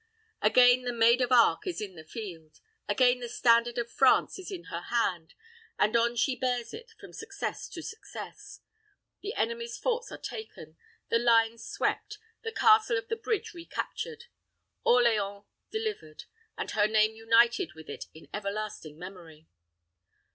Again the Maid of Arc is in the field. Again the standard of France is in her hand, and on she bears it from success to success. The enemy's forts are taken, the lines swept, the castle of the bridge recaptured, Orleans delivered, and her name united with it in everlasting memory.